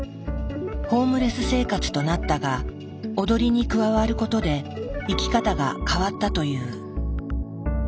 ホームレス生活となったが踊りに加わることで生き方が変わったという。